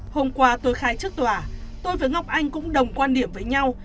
hôm qua tôi khai trước tòa tôi với ngọc anh cũng đồng quan điểm với nhau